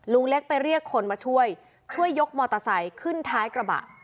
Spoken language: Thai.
ลุงเล็กไปเรียกคนมาช่วยช่วยยกมอเตอร์ไซค์ขึ้นท้ายกระบะ